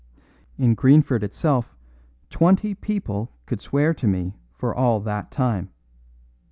In Greenford itself twenty people could swear to me for all that time.